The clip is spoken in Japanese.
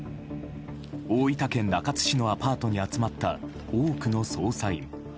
大分県中津市のアパートに集まった多くの捜査員。